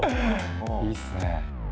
いいっすね。